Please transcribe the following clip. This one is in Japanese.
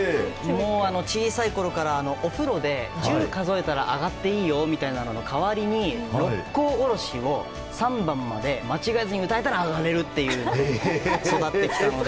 小さいころからお風呂で１０数えたらあがっていいよみたいなのの代わりに「六甲おろし」を３番まで間違えずに歌えたらあがれるといわれ育ってきたので。